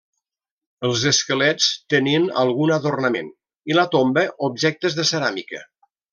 Els esquelets tenien algun adornament i la tomba objectes de ceràmica.